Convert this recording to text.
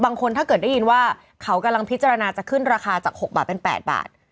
ถ้าเกิดได้ยินว่าเขากำลังพิจารณาจะขึ้นราคาจาก๖บาทเป็น๘บาท